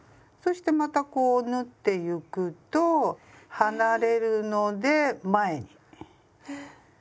そしてまたこう縫ってゆくと離れるので前に。